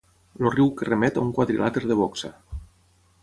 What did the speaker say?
El riu que remet a un quadrilàter de boxa.